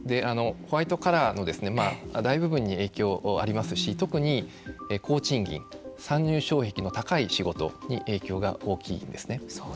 ホワイトカラーの大部分に影響がありますし特に、高賃金参入障壁の高い仕事に影響が大きいですね。